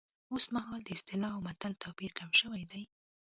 اوس مهال د اصطلاح او متل توپیر کم شوی دی